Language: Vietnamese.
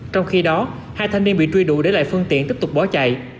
trong khi đó hai thanh niên bị truy đủ để lại phương tiện tiếp tục bỏ chạy